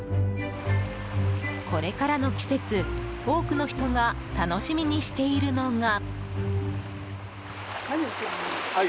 これからの季節、多くの人が楽しみにしているのが。